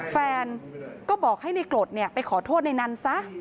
แฟนก็บอกให้ในกรดไปขอโทษในนั้นซะ